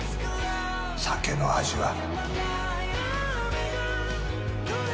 酒の味は。